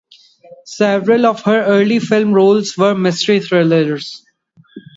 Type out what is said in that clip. Several of her early film roles were in mystery thrillers.